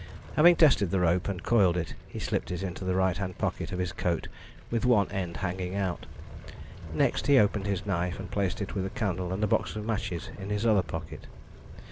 Having tested the rope and coiled it, he slipped it into the right hand pocket of his coat with one end hanging out. Next he opened his knife, and placed it with a candle and a box of matches in his other pocket.